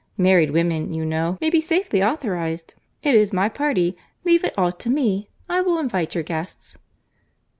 Married women, you know, may be safely authorised. It is my party. Leave it all to me. I will invite your guests."